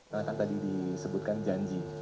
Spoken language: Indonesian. karena kan tadi disebutkan janji